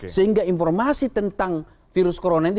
sehingga informasi tentang virus corona ini